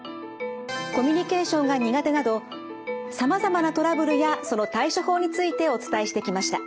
コミュニケーションが苦手などさまざまなトラブルやその対処法についてお伝えしてきました。